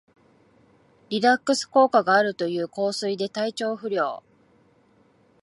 リラックス効果があるという香水で体調不良